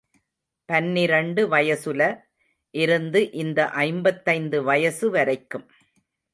பன்னிரண்டு வயசுல இருந்து இந்த ஐம்பத்தைந்து வயசு வரைக்கும்.